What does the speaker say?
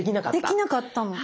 できなかったの。